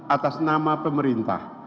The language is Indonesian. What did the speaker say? atas nama pemerintah